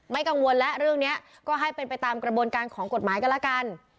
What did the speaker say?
กังวลแล้วเรื่องนี้ก็ให้เป็นไปตามกระบวนการของกฎหมายกันแล้วกัน